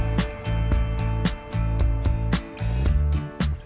mereka juga tidak yakin bisa menghasilkan sesuatu